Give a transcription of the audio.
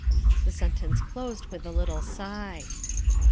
The sen tence closed with a little sigh.